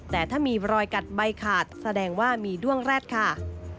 แต่ถ้ามีรอยกัดใบขาดแสดงว่ามีด้วงแร็ดค่ะ